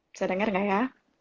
bisa denger gak ya